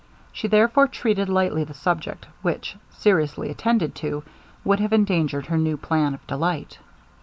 She therefore treated lightly the subject, which, seriously attended to, would have endangered her new plan of delight.